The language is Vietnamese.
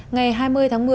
ngày hai mươi tháng một mươi